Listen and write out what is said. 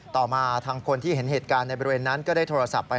ต่อมาทางคนที่เห็นเหตุการณ์ในบริเวณนั้นก็ได้โทรศัพท์ไป